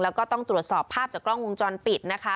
แล้วก็ต้องตรวจสอบภาพจากกล้องวงจรปิดนะคะ